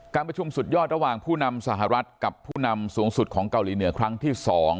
การประชุมสุดยอดระหว่างผู้นำสหรัฐกับผู้นำสูงสุดของเกาหลีเหนือครั้งที่๒